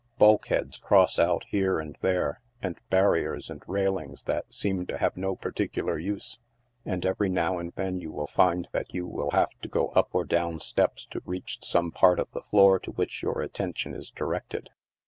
Bulkheads cross out here and there, and barriers and railings that seem to have no particular use, and every now and then you will find that you will have to go up or down steps to reach some part of the floor to which your attention is directed.